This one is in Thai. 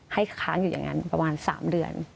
ค้างอยู่อย่างนั้นประมาณ๓เดือน